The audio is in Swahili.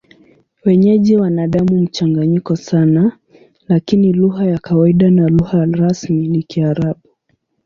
Wenyeji wana damu mchanganyiko sana, lakini lugha ya kawaida na lugha rasmi ni Kiarabu.